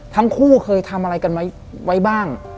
ทั้งคู่เคยทำอะไรกันไว้บ้าง